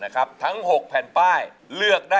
กับเพลงที่๑ของเรา